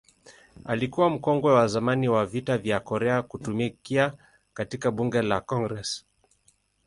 Alikuwa mkongwe wa zamani wa Vita vya Korea kutumikia katika Bunge la Congress.